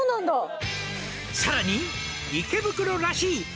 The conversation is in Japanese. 「さらに池袋らしい」